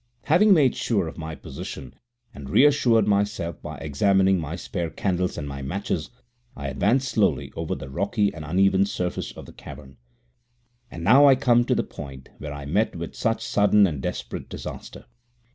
Having made sure of my position, and reassured myself by examining my spare candles and my matches, I advanced slowly over the rocky and uneven surface of the cavern. And now I come to the point where I met with such sudden and desperate disaster.